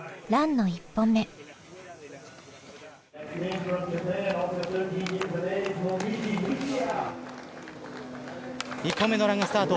１本目のランがスタート。